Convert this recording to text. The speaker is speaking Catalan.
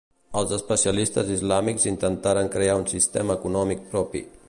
Els especialistes islàmics intentaren crear un sistema econòmic propi.